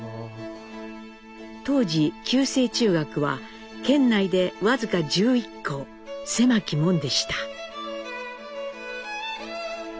当時旧制中学は県内で僅か１１校狭き門でした。